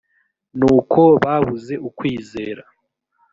n uko babuze ukwizera